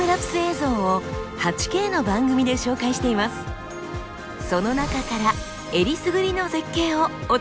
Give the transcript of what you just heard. その中からえりすぐりの絶景をお届けしましょう。